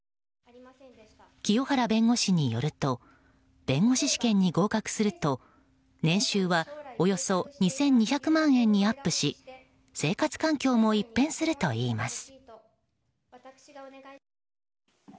清原弁護士によると弁護士試験に合格すると年収はおよそ２２００万円にアップし生活環境も一変するといいます。